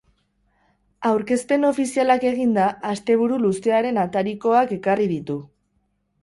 Aurkezpen ofizialak eginda, asteburu luzearen atarikoak ekarri ditu.